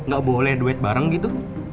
gak boleh duit bareng gitu